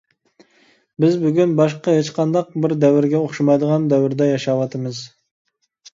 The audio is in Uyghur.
بىز بۈگۈن باشقا ھېچقانداق بىر دەۋرگە ئوخشىمايدىغان دەۋردە ياشاۋاتىمىز.